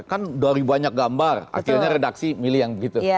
kan dari banyak gambar akhirnya redaksi milih yang begitu